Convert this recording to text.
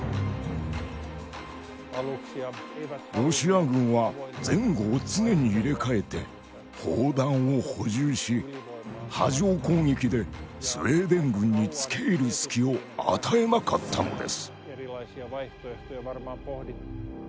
ロシア軍は前後を常に入れ替えて砲弾を補充し波状攻撃でスウェーデン軍につけいる隙を与えなかったのです。